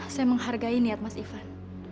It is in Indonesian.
saya menghargai niat mas ivan